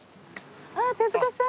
ああ手塚さん！